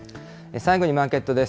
最後にマーケットです。